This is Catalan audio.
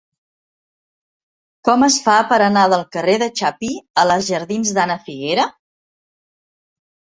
Com es fa per anar del carrer de Chapí a la jardins d'Ana Figuera?